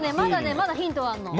まだヒントあるの。